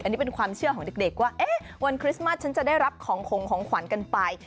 อันนี้เป็นความเชื่อของเด็กว่าวันคริสต์มัสฉันจะได้รับของขงของขวัญกันไป